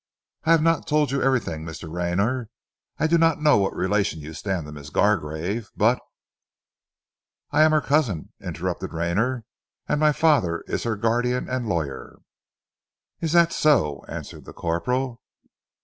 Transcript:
"I have not told you everything, Mr. Rayner. I do not know what relation you stand to Miss Gargrave, but " "I am her cousin," interrupted Rayner, "and my father is her guardian and lawyer." "Is that so?" answered the corporal.